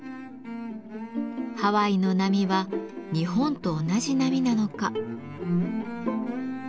ハワイの波は日本と同じ波なのか。